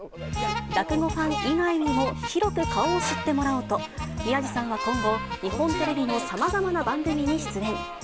落語ファン以外にも広く顔を知ってもらおうと、宮治さんは今後、日本テレビのさまざまな番組に出演。